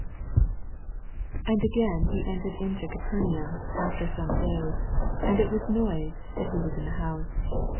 1 And again he entered into Caper naum after some days ; and it was noised that he was in the house.